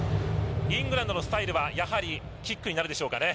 イングランドのスタイルはやはりキックになるでしょうかね。